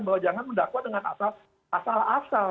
bahwa jangan mendakwa dengan pasal pasal asal